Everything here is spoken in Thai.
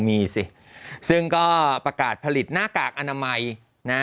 มีสิซึ่งก็ประกาศผลิตหน้ากากอนามัยนะ